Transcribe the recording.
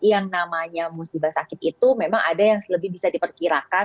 yang namanya musibah sakit itu memang ada yang lebih bisa diperkirakan